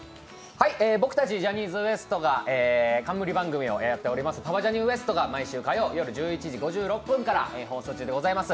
僕たちジャニーズＷＥＳＴが冠番組をやっております、「パパジャニＷＥＳＴ」が毎週火曜夜１１時５６分から放送中でございます。